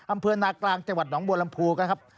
อำเภอนากลางจังหวัดหนองบัวลำพูนะครับ